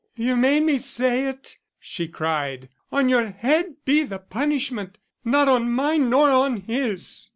"You made me say it," she cried. "On your head be the punishment, not on mine nor on his."